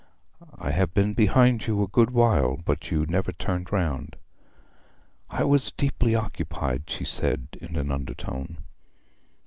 'I have been behind you a good while; but you never turned round.' 'I was deeply occupied,' she said in an undertone.